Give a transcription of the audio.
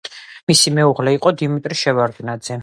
მისი მეუღლე იყო დიმიტრი შევარდნაძე.